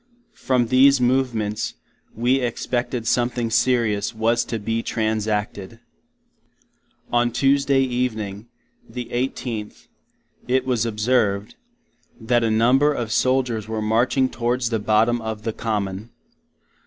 From these movements, we expected something serious was [to] be transacted. On Tuesday evening, the 18th, it was observed, that a number of Soldiers were marching towards the bottom of the Common.